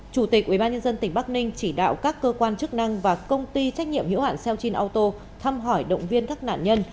chủ tịch ubnd tỉnh bắc ninh chỉ đạo các cơ quan chức năng và công ty trách nhiệm hiểu hạn xeochin auto thăm hỏi động viên các nạn nhân